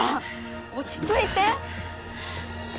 落ち着いて。